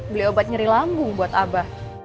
beli obat nyeri lambung buat abah